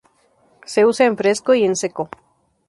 Se usa en fresco, y en seco.